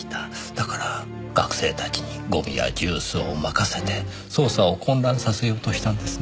だから学生たちにゴミやジュースをまかせて捜査を混乱させようとしたんですね？